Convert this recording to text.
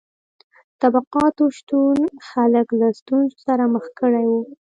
د طبقاتو شتون خلک له ستونزو سره مخ کړي وو.